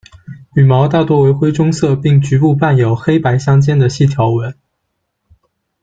羽毛大多为灰棕色并局部伴有黑白相间的细条纹。